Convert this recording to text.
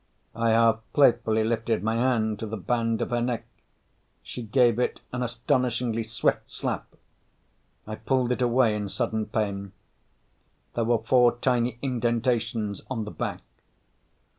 I half playfully lifted my hand to the band of her neck. She gave it an astonishingly swift slap. I pulled it away in sudden pain. There were four tiny indentations on the back.